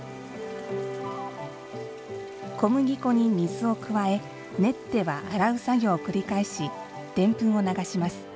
小麦粉に水を加え、練っては洗う作業を繰り返しでんぷんを流します。